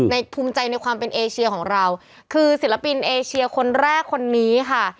ภูมิใจในความเป็นเอเชียของเราคือศิลปินเอเชียคนแรกคนนี้ค่ะ